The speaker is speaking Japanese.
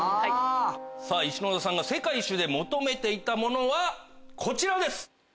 さぁ石野田さんが世界一周で求めていたものはこちらです！